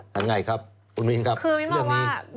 ยังไงครับคุณวินครับเรื่องนี้คือมินบอกว่า